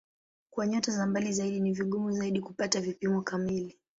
Kwa nyota za mbali zaidi ni vigumu zaidi kupata vipimo kamili.